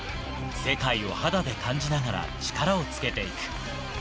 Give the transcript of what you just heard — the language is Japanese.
世界を肌で感じながら力をつけていく。